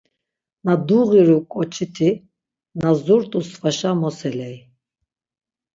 Na duğiru ǩoçiti, na zurt̆u svaşa moseley.